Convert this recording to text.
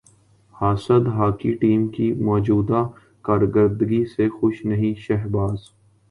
حاسد hockey team کی موجودہ کارکردگی سے خوش نہیں شہباز